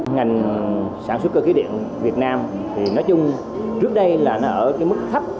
ngành sản xuất cơ khí điện việt nam thì nói chung trước đây là nó ở cái mức thấp